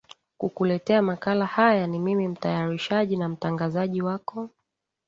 kukuletea makala haya ni mimi mtayarishaji na mtangazaji wako